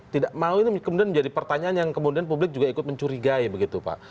tidak mau itu kemudian menjadi pertanyaan yang kemudian publik juga ikut mencurigai begitu pak